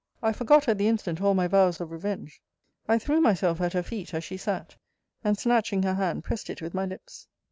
I forgot at the instant all my vows of revenge. I threw myself at her feet, as she sat; and, snatching her hand, pressed it with my lips.